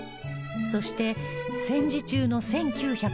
そして戦時中の１９４４年